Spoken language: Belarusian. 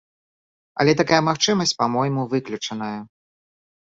Але такая магчымасць, па-мойму, выключаная.